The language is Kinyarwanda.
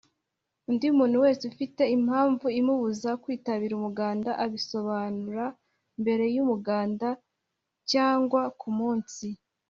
undi muntu wese ufite impamvu imubuza kwitabira umuganda abisobanuramberey’umuganda cyangwa ku munsi